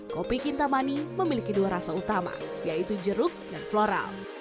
kopi kintamani memiliki dua rasa utama yaitu jeruk dan floral